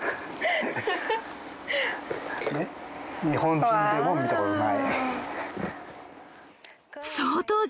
日本人でも見たことない。